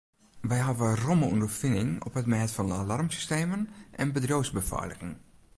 Wy hawwe romme ûnderfining op it mêd fan alarmsystemen en bedriuwsbefeiliging.